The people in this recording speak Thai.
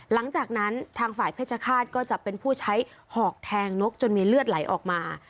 หลังจากนั้นทางฝ่ายเพชรฆาตก็จะเป็นผู้ใช้หอกแทงนกจนมีเลือดไหลออกมา